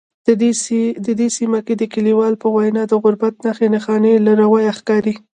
دې سیمه کې د لیکوال په وینا د غربت نښې نښانې له ورایه ښکاري